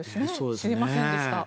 知りませんでした。